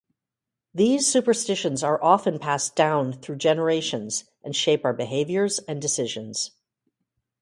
These superstitions are often passed down through generations and shape our behaviors and decisions.